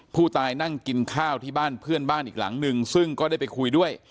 ผู้ตายนั่งกินข้าวที่บ้านเพื่อนบ้านอีกหลังนึงซึ่งก็ได้ไปคุยด้วย